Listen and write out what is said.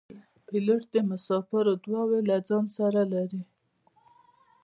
پیلوټ د مسافرو دعاوې له ځان سره لري.